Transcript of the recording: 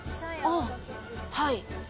あっはい。